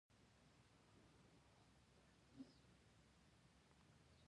رسوب د افغانستان د بشري فرهنګ یوه ډېره مهمه برخه ده.